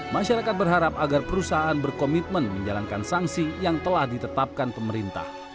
masyarakat berharap agar perusahaan berkomitmen menjalankan sanksi yang telah ditetapkan pemerintah